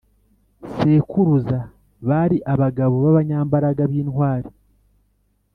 sekuruza bari abagabo b abanyambaraga b intwari